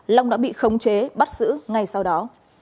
long đã bị khống chế bắt giữ ngay sau đó